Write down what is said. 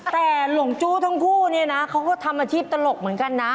แต่หลงจู้ทั้งคู่เนี่ยนะเขาก็ทำอาชีพตลกเหมือนกันนะ